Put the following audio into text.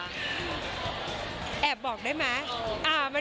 แอบบอกได้มะ